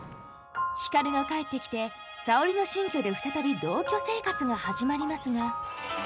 光が帰ってきて沙織の新居で再び同居生活が始まりますが。